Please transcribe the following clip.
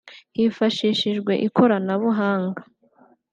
Hifashishijwe ikoranabuhanga